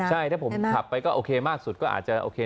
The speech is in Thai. ใช่ถ้าผมขับไปก็โอเคมากสุดก็อาจจะโอเค